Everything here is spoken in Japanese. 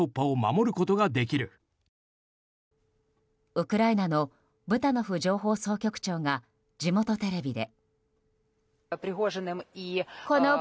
ウクライナのブタノフ情報総局長が地元テレビで。